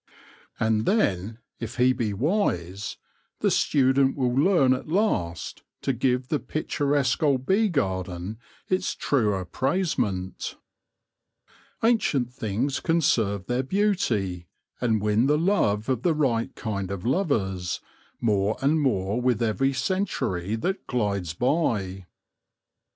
And then, if he be wise, the student will learn at c 46 THE LORE OF THE HONEY BEE last to give the picturesque old bee garden its true appraisement. Ancient things conserve their beauty, and win the love of the right kind of lovers, more and more with every century that glides by.